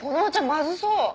まずそう！